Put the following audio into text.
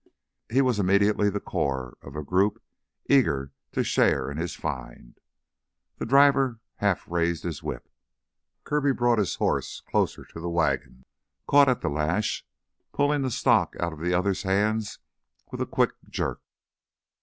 He was immediately the core of a group eager to share in his find. The driver half raised his whip. Kirby brought his horse closer to the wagon, caught at the lash, pulling the stock out of the other's hands with a quick jerk.